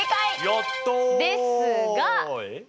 やった！ですが！えっ？